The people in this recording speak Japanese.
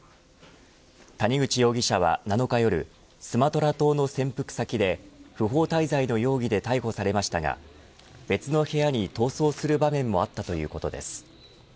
谷口容疑者は７日夜スマトラ島の潜伏先で不法滞在の容疑で逮捕されましたが別の部屋に逃走する場面もあったということです。